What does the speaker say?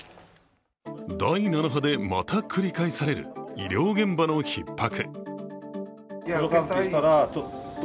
第７波でまた繰り返される医療現場のひっ迫。